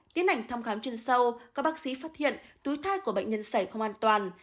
tiến hành thăm khám chuyên sâu các bác sĩ phát hiện túi thai của bệnh nhân xảy không an toàn